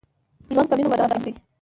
ژوند په مينه ودان دې